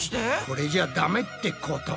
これじゃダメってこと？